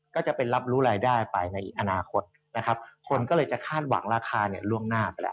ก็จะเป็นรับรู้รายได้ไปในอนาคตนะครับคนก็เลยจะคาดหวังราคาเนี่ยล่วงหน้าไปแล้ว